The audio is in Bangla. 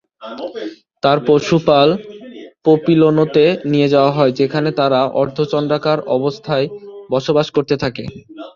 তার পশুপাল পোপিলোনোতে নিয়ে যাওয়া হয়, যেখানে তারা অর্ধচন্দ্রাকার অবস্থায় বসবাস করতে থাকে।